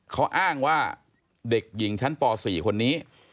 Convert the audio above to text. เขาอ้างว่าเด็กหญิงชั้นป๔คนนี้